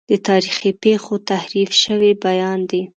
د تاریخي پیښو تحریف شوی بیان دی.